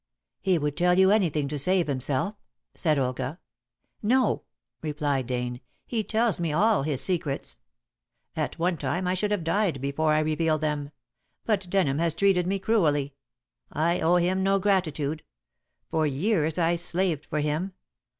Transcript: "He would tell you anything to save himself," said Olga. "No," replied Dane, "he tells me all his secrets. At one time I should have died before I revealed them, but Denham has treated me cruelly. I owe him no gratitude. For years I slaved for him.